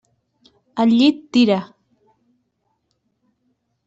El llit tira.